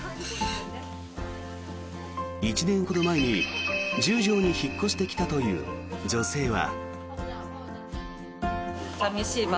１年ほど前に、十条に引っ越してきたという女性は。